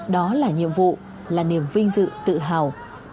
đó là nhiệm vụ là niềm vinh dự tự hào